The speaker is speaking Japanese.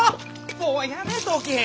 もうやめとけ！